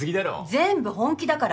全部本気だから。